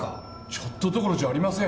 ちょっとどころじゃありません。